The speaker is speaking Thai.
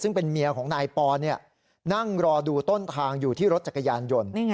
ซึ่งเป็นเมียของนายปอนนั่งรอดูต้นทางอยู่ที่รถจักรยานยนต์